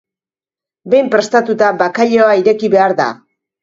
Behin prestatuta bakailaoa ireki behar da.